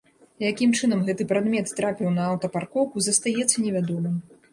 Якім чынам гэты прадмет трапіў на аўтапаркоўку застаецца невядомым.